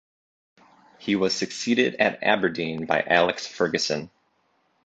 He was succeeded at Aberdeen by Alex Ferguson.